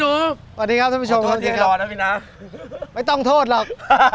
สวัสดีครับผู้ชมพี่นูกพี่น้ำไม่ต้องโทษหรอก